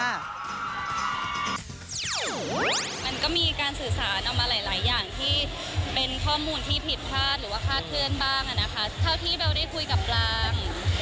มันก็มีการสื่อสารออกมาหลายอย่างที่เป็นข้อมูลที่ผิดพลาด